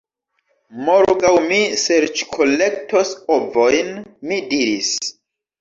Morgaŭ mi serĉkolektos ovojn, mi diris.